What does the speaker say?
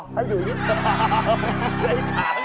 พอให้อยู่นิดหน่อย